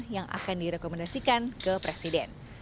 yang akan direkomendasikan ke presiden